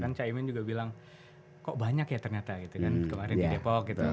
kan caimin juga bilang kok banyak ya ternyata gitu kan kemarin di depok gitu